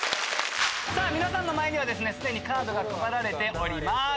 皆さんの前には既にカードが配られております。